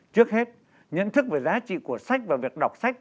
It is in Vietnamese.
trước hết nhận thức về giá trị của sách và việc đọc sách